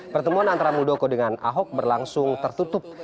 pertemuan antara muldoko dengan ahok berlangsung tertutup